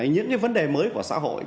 những cái vấn đề mới của xã hội